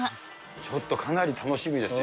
ちょっとかなり楽しみですよ。